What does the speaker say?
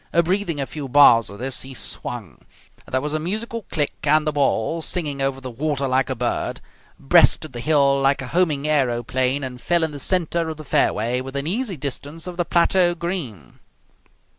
Breathing a few bars of this, he swung. There was a musical click, and the ball, singing over the water like a bird, breasted the hill like a homing aeroplane and fell in the centre of the fairway within easy distance of the plateau green.